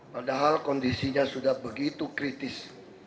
padahal kondisinya sudah begitu kritis